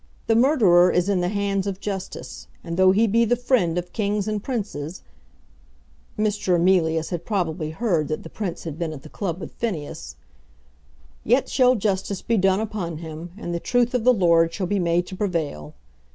The murderer is in the hands of justice, and though he be the friend of kings and princes [Mr. Emilius had probably heard that the Prince had been at the club with Phineas], yet shall justice be done upon him, and the truth of the Lord shall be made to prevail.